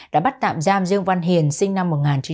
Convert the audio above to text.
đã bắt tạm giam dương văn hiền sinh năm một nghìn chín trăm tám mươi